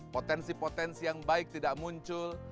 potensi potensi yang baik tidak muncul